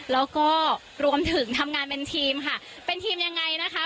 แล้วก็รวมถึงทำงานเป็นทีมค่ะเป็นทีมยังไงนะคะ